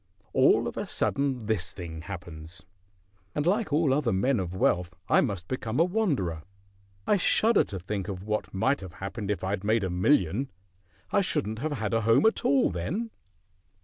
All of a sudden this thing happens, and like all other men of wealth I must become a wanderer. I shudder to think of what might have happened if I'd made a million; I shouldn't have had a home at all then."